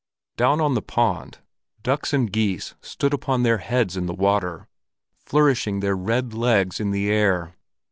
Down on the pond, ducks and geese stood upon their heads in the water, flourishing their red legs in the air.